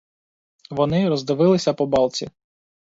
Вони роздивилися по балці.